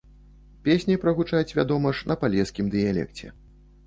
Песні прагучаць, вядома ж, на палескім дыялекце.